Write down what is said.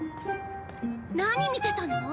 何見てたの？